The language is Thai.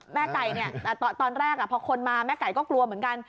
แม่ไก่เนี่ยตอนแรกพอคนมาแม่ไก่ก็กลัวเหมือนกัน